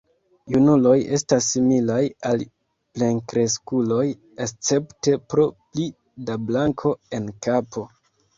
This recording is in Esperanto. Junuloj estas similaj al plenkreskuloj escepte pro pli da blanko en kapo.